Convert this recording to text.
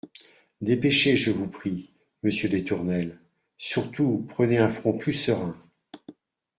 Dépêchez, je vous en prie, monsieur des Tournelles ; surtout prenez un front plus serein.